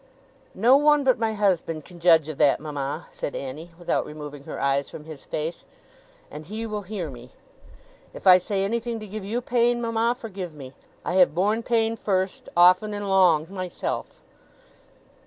'No one but my husband can judge of that, mama,' said Annie without removing her eyes from his face, 'and he will hear me. If I say anything to give you pain, mama, forgive me. I have borne pain first, often and long, myself.